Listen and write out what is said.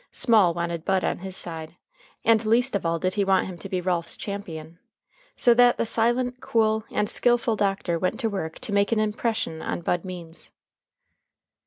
Small wanted Bud on his side, and least of all did he want him to be Ralph's champion. So that the silent, cool, and skillful doctor went to work to make an impression on Bud Means.